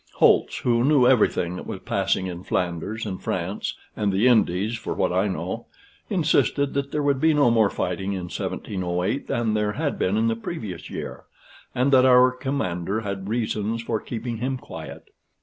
Holtz, who knew everything that was passing in Flanders and France (and the Indies for what I know), insisted that there would be no more fighting in 1708 than there had been in the previous year, and that our commander had reasons for keeping him quiet.